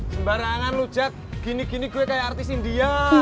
sembarangan lo jack gini gini gue kayak artis india